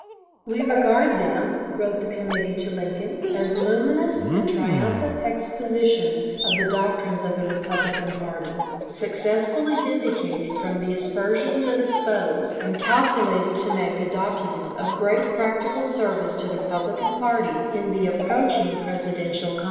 "We regard them," wrote the committee to Lincoln, "as luminous and triumphant expositions of the doctrines of the Republican party, successfully vindicated from the aspersions of its foes, and calculated to make a document of great practical service to the Republican party in the approaching Presidential contest."